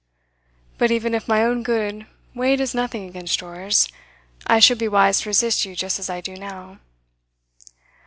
But even if my own good weighed as nothing against yours, I should be wise to resist you just as I do now.